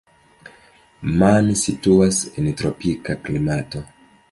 Man situas en tropika klimato.